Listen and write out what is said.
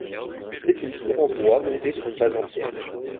C'était une tour en bois montée sur une base en pierre.